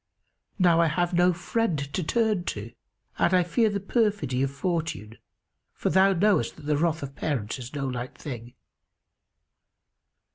Now I have no friend to turn to and I fear the perfidy of Fortune, for thou knowest that the wrath of parents is no light thing.